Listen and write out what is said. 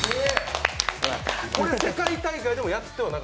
これ、世界大会でもやってない？